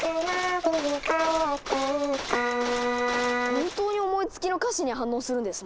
本当に思いつきの歌詞に反応するんですね！